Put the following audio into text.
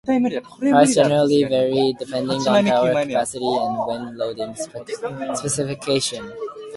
Prices generally vary depending on tower capacity and wind loading specifications.